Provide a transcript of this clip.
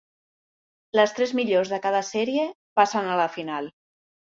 Les tres millors de cada sèrie passen a la final.